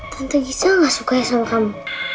tante gita nggak sukanya sama kamu